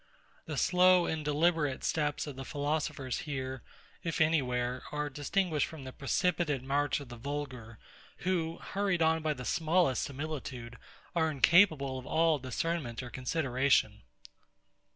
The slow and deliberate steps of philosophers here, if any where, are distinguished from the precipitate march of the vulgar, who, hurried on by the smallest similitude, are incapable of all discernment or consideration.